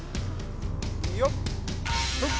よっ！